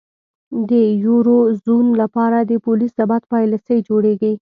د یورو زون لپاره د پولي ثبات پالیسۍ جوړیږي.